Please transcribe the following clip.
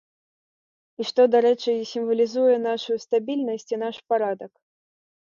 І што, дарэчы, сімвалізуе нашую стабільнасць і наш парадак.